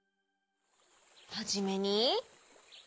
はじめに。